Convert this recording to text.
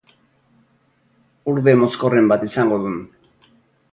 Urde mozkorren bat izango dun.